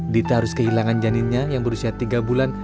dita harus kehilangan janinnya yang berusia tiga bulan